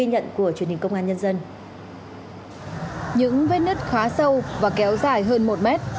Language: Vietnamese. những vết nứt khá sâu và kéo dài hơn một mét